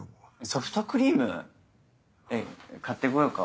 ソフトクリーム？え買ってこようか？